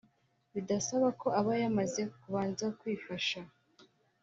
bidasaba ko abayamaze kubanza kwifasha